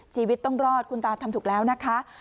ชีวิตต้องรอดคุณตาทำถูกแล้วนะคะ